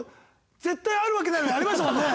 絶対あるわけないのにありましたもんね。